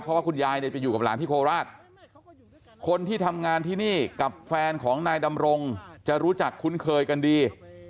เพราะว่าคุณยายเนี่ยไปอยู่กับหลานที่โคราชคนที่ทำงานที่นี่กับแฟนของนายดำรงจะรู้จักคุ้นเคยกันดี